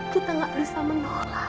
kita gak bisa menolak